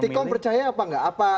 detikom percaya apa enggak